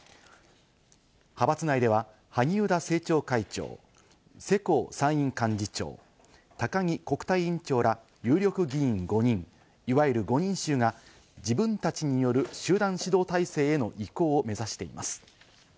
派閥内では萩生田政調会長、世耕参院幹事長、高木国対委員長ら有力議員５人、いわゆる５人衆が自分たちによる集団指導体制への移行を目指しています。